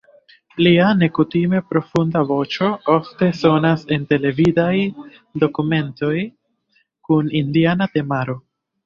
Lia nekutime profunda voĉo ofte sonas en televidaj dokumentoj kun indiana temaro.